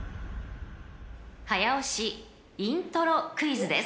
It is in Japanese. ［早押しイントロクイズです］